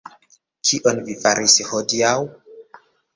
Kion vi faris hodiaŭ?